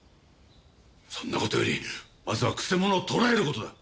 そんな事よりまずは曲者を捕らえる事だ！